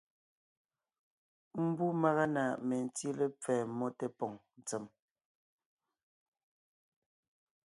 Mbú màga na mentí lepfɛ́ mmó tépòŋ ntsèm,